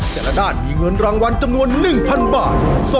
แต่ละด้านมีเงินรางวัลจำนวน๑๐๐บาท